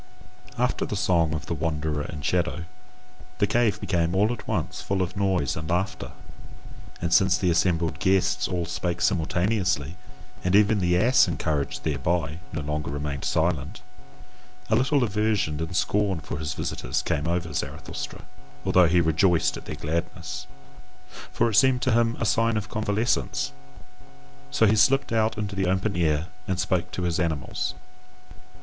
After the song of the wanderer and shadow, the cave became all at once full of noise and laughter: and since the assembled guests all spake simultaneously, and even the ass, encouraged thereby, no longer remained silent, a little aversion and scorn for his visitors came over Zarathustra, although he rejoiced at their gladness. For it seemed to him a sign of convalescence. So he slipped out into the open air and spake to his animals.